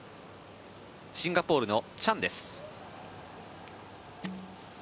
シンガポールのチャンです。